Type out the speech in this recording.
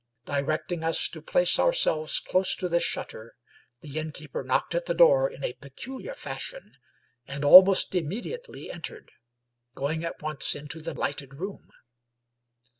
Directing us to place ourselves close to this shutter, the innkeeper knocked at the door in a peculiar fashion, and almost immediately entered, going at once into the lighted room.